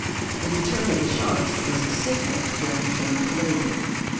The return of the sharks was a signal for their return to labor.